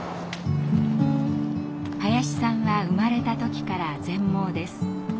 林さんは生まれた時から全盲です。